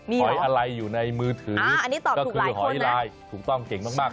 หอยอะไรอยู่ในมือถือก็คือหอยลายถูกต้องเก่งมาก